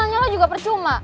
mau nanya lo juga percuma